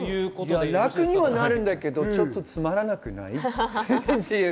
楽になるけど、ちょっとつまらなくない？